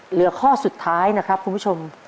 เหลือข้อสุดท้ายนะครับคุณผู้ชม